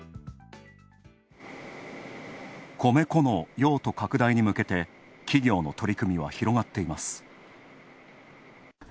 米粉の用途拡大に向けて、企業の取り組みは広がっています。